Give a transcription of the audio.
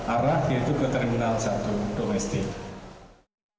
arah yaitu ke terminal satu domestik